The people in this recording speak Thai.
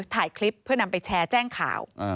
ถ่ายคลิปเพื่อนำไปแชร์แจ้งข่าว